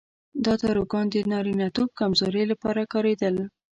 دا داروګان د نارینتوب کمزورۍ لپاره کارېدل.